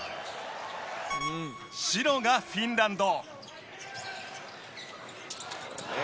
白がフィンランド。